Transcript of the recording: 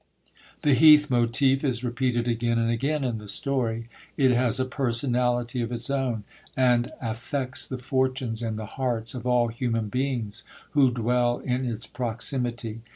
The Heath motif is repeated again and again in the story. It has a personality of its own, and affects the fortunes and the hearts of all human beings who dwell in its proximity.